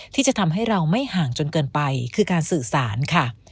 ที่จะทำให้เราไม่ห่างจนเกินไปคือการสื่อสารค่ะ